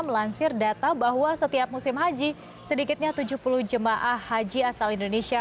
melansir data bahwa setiap musim haji sedikitnya tujuh puluh jemaah haji asal indonesia